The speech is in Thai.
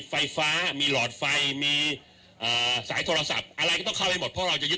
ไฟฟ้ามีหลอดไฟมีสายโทรศัพท์อะไรก็ต้องเข้าไปหมดเพราะเราจะยึด